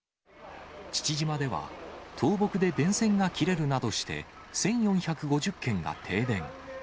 父島では、倒木で電線が切れるなどして、１４５０軒が停電。